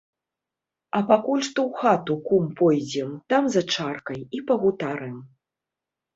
А пакуль што ў хату, кум, пойдзем, там за чаркай і пагутарым.